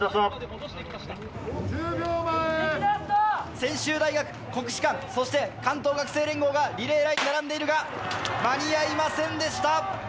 専修大学、国士舘、そして関東学生連合がリレーラインに並んでいるが、間に合いませんでした。